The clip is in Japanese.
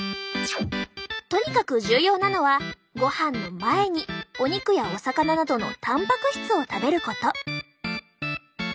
とにかく重要なのはごはんの前にお肉やお魚などのたんぱく質を食べること！